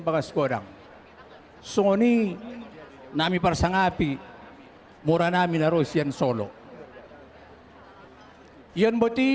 bapak paisal ya